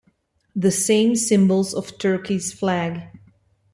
The same symbols of Turkey's flag.